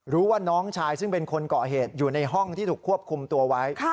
รู้ว่าน้องชายซึ่งเป็นคนเกาะเหตุอยู่ในห้องที่ถูกควบคุมตัวไว้